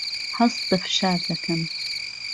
هەست بە فشار دەکەم.